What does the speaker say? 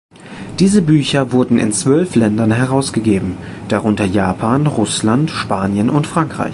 Diese Bücher wurden in zwölf Ländern herausgegeben, darunter Japan, Russland, Spanien und Frankreich.